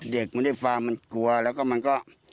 เด็กมันได้ฟังมันกลัวแล้วก็มันก็